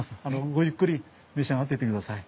ごゆっくり召し上がってってください。